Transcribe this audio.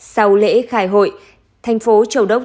sau lễ khai hội thành phố châu đốc